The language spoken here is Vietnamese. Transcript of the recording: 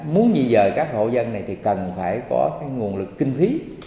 muốn di dời các hộ dân này thì cần phải có cái nguồn lực kinh khí